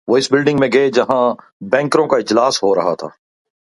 وہ اس بلڈنگ میں گئے جہاں بینکروں کا اجلاس ہو رہا تھا۔